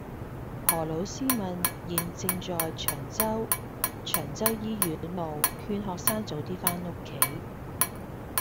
何老師問現正在長洲長洲醫院路勸學生早啲返屋企